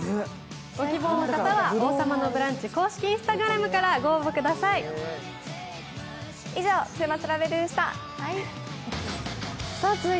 ご希望の方は「王様のブランチ」公式Ｉｎｓｔａｇｒａｍからご応募ください